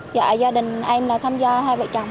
dạ do đình em đã tham gia hai vợ chồng